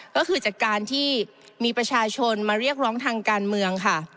ก็คือจากการที่มีประชาชนมาเรียกร้องทางการเมืองค่ะ